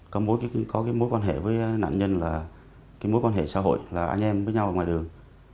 có cái mối quan hệ với nạn nhân là cái mối quan hệ xã hội là anh em với nhau ở ngoài đường